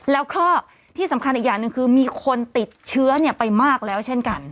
แล้วก็ที่สำคัญอีกอย่างหนึ่งคือมีคนติดเชื้อไปมากแล้วเช่นกัน